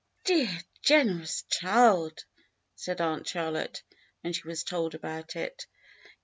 "Dear, generous child!" said Aunt Charlotte, when she was told about it.